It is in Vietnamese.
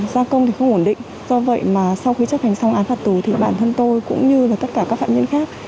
gia công thì không ổn định do vậy mà sau khi chấp hành xong án phạt tù thì bản thân tôi cũng như là tất cả các phạm nhân khác